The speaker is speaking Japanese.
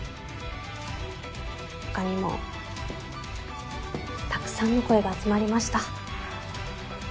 他にもたくさんの声が集まりました。